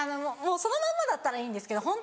もうそのまんまだったらいいんですけど。